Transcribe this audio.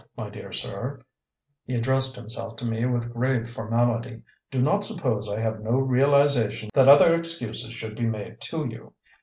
My dear sir" he addressed himself to me with grave formality "do not suppose I have no realization that other excuses should be made to you.